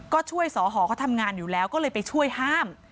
ก็ช่วยสอหอเขาทำงานอยู่แล้วก็เลยไปช่วยห้าม